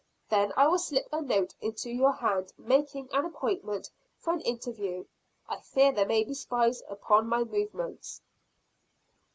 Then I will slip a note into your hand, making an appointment for an interview. I fear there may be spies upon my movements."